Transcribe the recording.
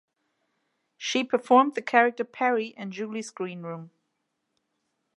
She performed the character Peri in "Julie's Greenroom".